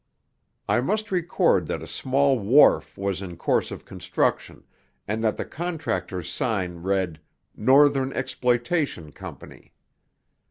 I must record that a small wharf was in course of construction, and that the contractor's sign read: "Northern Exploitation Company."